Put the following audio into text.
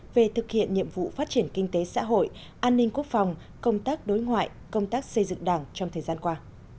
về thực hiện nhiệm vụ phát triển kinh tế xã hội an ninh quốc phòng công tác đối ngoại công tác xây dựng đảng trong thời gian qua